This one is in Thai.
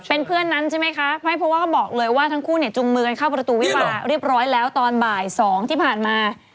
เป็นเพื่อนนั้นใช่ไหมคะไม่เพราะว่าเขาบอกเลยว่าทั้งคู่เนี่ยจุงมือกันเข้าประตูวิวาเรียบร้อยแล้วตอนบ่าย๒ที่ผ่านมา